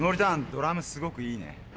ドラムすごくいいね。